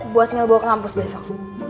buat mel bawa ke kampus besok